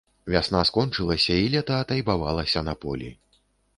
Вясна скончылася, і лета атайбавалася на полі.